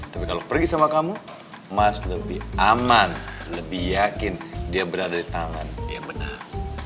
tapi kalau pergi sama kamu mas lebih aman lebih yakin dia berada di tangan dia benar